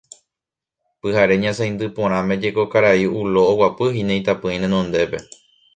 Pyhare ñasaindy porãme jeko karai Ulo oguapyhína itapỹi renondépe.